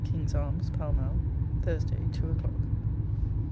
KING'S ARMS, PALL MALL, THURSDAY, TWO O'CLOCK.